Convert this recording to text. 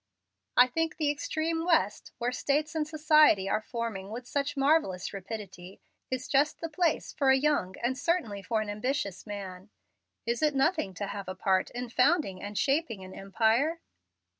I think the extreme West, where states and society are forming with such marvellous rapidity, is just the place for a young, and certainly for an ambitious man. Is it nothing to have a part in founding and shaping an empire?"